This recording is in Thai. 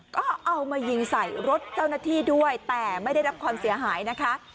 ก็เอามายิงใส่รถเจ้าหน้าที่ด้วยแต่ไม่ได้รับความเสียหายนะคะ